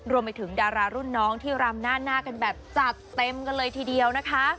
รวมไปถึงดารารุ่นน้องที่รำหน้าหน้ากันแบบจัดเต็มกันเลยทีเดียวนะคะ